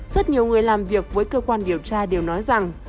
rất nhiều người làm việc với cơ quan điều tra đều nói rằng